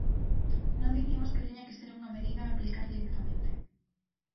Non dicimos que teña que ser unha medida a aplicar directamente.